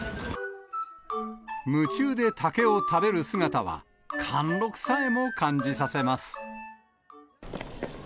夢中で竹を食べる姿は、貫禄さえも感じさせます。